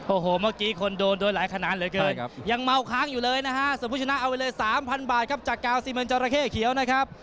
โอ้โหเมื่อกี้คนโดนโดนหลายขนาดเหลือเกินยังเมาค้างอยู่เลยนะฮะส่วนผู้ชนะเอาไปเลย๓๐๐บาทครับจากกาวซีเมนจราเข้เขียวนะครับ